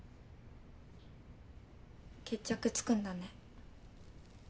決着つくんだね。